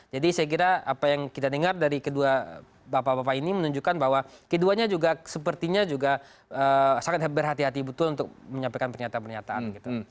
jadi saya kira apa yang kita dengar dari kedua bapak bapak ini menunjukkan bahwa keduanya juga sepertinya juga sangat berhati hati betul untuk menyampaikan pernyataan pernyataan gitu